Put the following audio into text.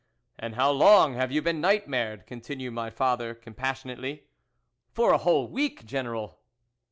" And how long have you been night mared ?" continued my father compas sionately. " For a whole week, General."